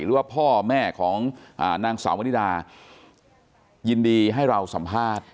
หรือว่าพ่อแม่ของนางสาวมณิดายินดีให้เราสัมภาษณ์